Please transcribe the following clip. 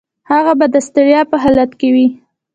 هغه به د ستړیا په حالت کې وي.